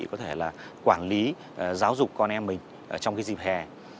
có thể là quản lý giáo dục con em mình trong dịp hè